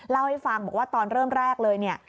เล่าให้ฟังบอกว่าตอนเริ่มแรกเลยเนี่ย